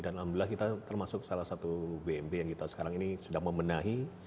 dan alhamdulillah kita termasuk salah satu bmp yang kita sekarang ini sudah memenahi